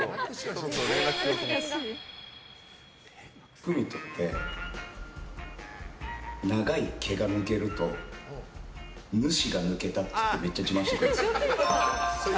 郁人って、長い毛が抜けると主が抜けたって言ってめっちゃ自慢してくるんですよ。